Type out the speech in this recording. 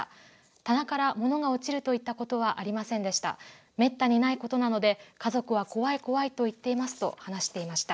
棚から物が落ちるといったことはありませんでした。